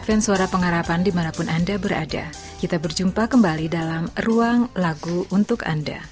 berikan suara pengharapan dimanapun anda berada kita berjumpa kembali dalam ruang lagu untuk anda